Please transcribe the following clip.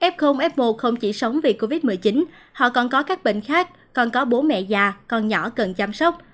f f một không chỉ sống vì covid một mươi chín họ còn có các bệnh khác còn có bố mẹ già con nhỏ cần chăm sóc